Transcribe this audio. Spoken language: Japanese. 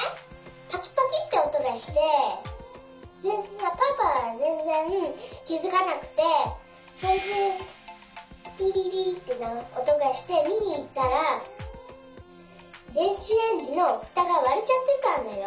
パキパキっておとがしてパパはぜんぜんきづかなくてそれでピピピっておとがしてみにいったらでんしレンジのふたがわれちゃってたんだよ。